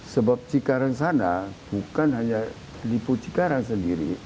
sebab cikarang sana bukan hanya lipo cikarang sendiri